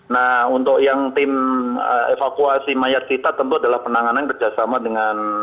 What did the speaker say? nah untuk yang tim evakuasi mayat kita tentu adalah penanganan kerjasama dengan